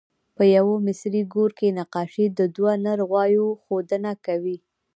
په یوه مصري ګور کې نقاشي د دوه نر غوایو ښودنه کوي.